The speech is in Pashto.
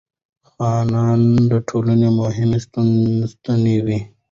خانان د ټولنې مهم ستنې وې.